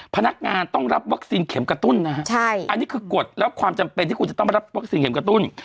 พนักงานต้องรับวัคซีนเข็มกระตุ้นนะฮะอันนี้คือกฎและความจำเป็นที่คุณจะต้องมารับวัคซีนเข็มกระตุ้น